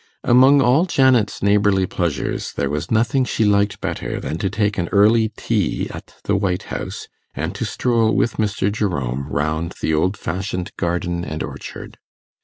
Among all Janet's neighbourly pleasures, there was nothing she liked better than to take an early tea at the White House, and to stroll with Mr. Jerome round the old fashioned garden and orchard.